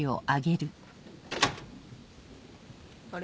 あれ？